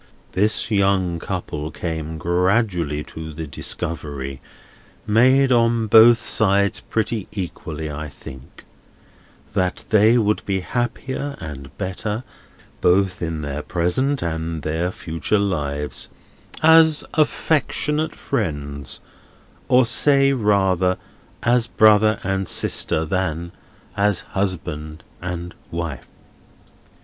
"—This young couple came gradually to the discovery (made on both sides pretty equally, I think), that they would be happier and better, both in their present and their future lives, as affectionate friends, or say rather as brother and sister, than as husband and wife."